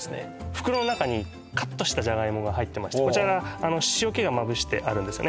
袋の中にカットしたジャガイモが入ってましてこちらが塩気がまぶしてあるんですよね